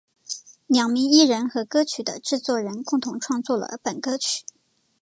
两名艺人和歌曲的制作人共同创作了本歌曲。